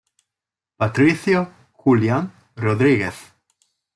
Patricio Julián Rodríguez